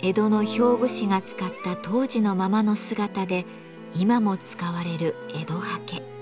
江戸の表具師が使った当時のままの姿で今も使われる江戸刷毛。